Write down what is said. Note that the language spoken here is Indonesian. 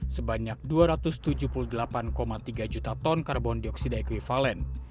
sebanyak dua ratus tujuh puluh delapan tiga juta ton karbon dioksida ekvivalen